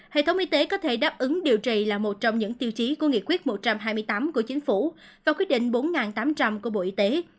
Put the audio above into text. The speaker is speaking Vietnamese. hệ thống y tế có thể đáp ứng điều trị là một trong những tiêu chí của nghị quyết một trăm hai mươi tám của chính phủ và quyết định bốn tám trăm linh của bộ y tế